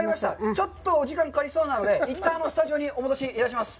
ちょっとお時間かかりそうなので、一旦スタジオにお戻しいたします。